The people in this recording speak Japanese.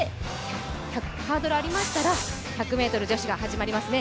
ハードルが終わりましたら１００ｍ女子が始まりますね。